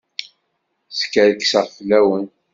Skerkseɣ fell-awen.